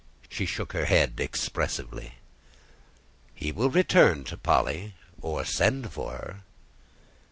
She shook her head expressively. "He will return to Polly, or send for her."